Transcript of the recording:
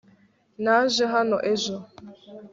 naje hano ejo